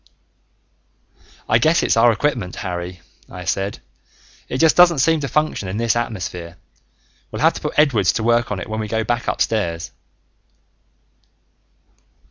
"I guess it's our equipment, Harry," I said. "It just doesn't seem to function in this atmosphere. We'll have to put Edwards to work on it when we go back upstairs."